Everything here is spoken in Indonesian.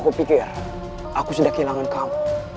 aku pikir aku sudah kehilangan kamu